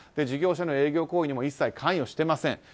事業者の営業行為にも一切関与しておりません。